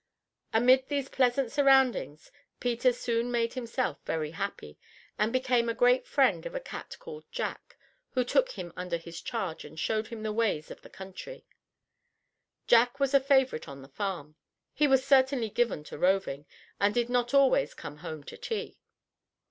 Amid these pleasant surroundings Peter soon made himself very happy, and became a great friend of a cat called Jack, who took him under his charge and showed him the ways of the country. Jack was a favorite on the farm. He was certainly given to roving, and did not always "come home to tea."